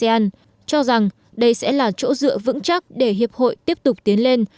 tính sáng tạo của asean cho rằng đây sẽ là chỗ dựa vững chắc để hiệp hội tiếp tục tiến lên